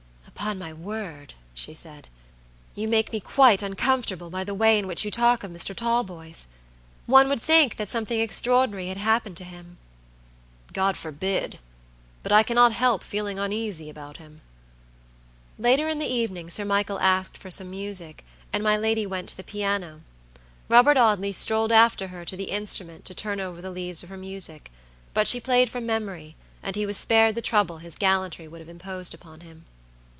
"Upon my word," she said, "you make me quite uncomfortable by the way in which you talk of Mr. Talboys. One would think that something extraordinary had happened to him." "God forbid! But I cannot help feeling uneasy about him." Later in the evening Sir Michael asked for some music, and my lady went to the piano. Robert Audley strolled after her to the instrument to turn over the leaves of her music; but she played from memory, and he was spared the trouble his gallantry would have imposed upon him.